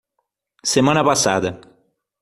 Semana passada